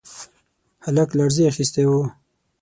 هلک لړزې اخيستی و.